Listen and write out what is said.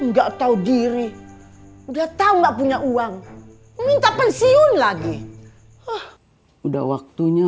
enggak tahu diri udah tahu nggak punya uang minta pensiun lagi oh udah waktunya